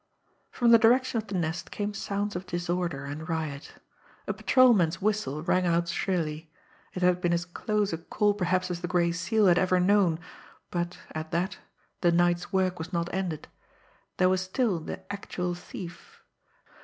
From the direction of the Nest came sounds of disorder and riot. A patrolman's whistle rang out shrilly. It had been as close a call perhaps as the Gray Seal had ever known but, at that, the night's work was not ended! There was still the actual thief.